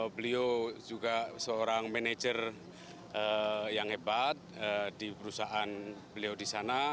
beliau juga seorang manajer yang hebat di perusahaan beliau di sana